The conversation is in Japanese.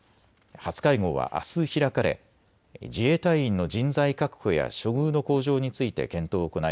初会合はあす開かれ自衛隊員の人材確保や処遇の向上について検討を行い